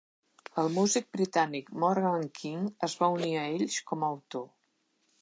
El músic britànic Morgan King es va unir a ells com a autor.